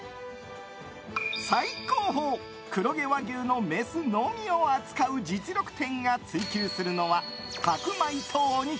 最高峰、黒毛和牛のメスのみを扱う実力店が追求するのは白米とお肉。